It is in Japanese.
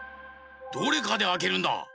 どれかであけるんだ。